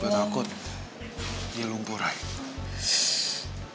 gue takut dia lumpur rahim